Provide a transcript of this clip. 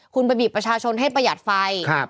คุณไปบีบประชาชนให้ประหยัดไฟ